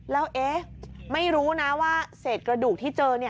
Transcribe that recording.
แล้วเอ๊ะไม่รู้นะว่าเศษกระดูกที่เจอ